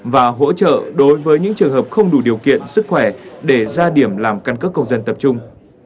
và hỗ trợ đối với những trường hợp không đủ điều kiện sức khỏe để ra điểm làm căn cước công dân tập trung